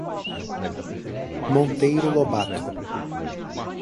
Monteiro Lobato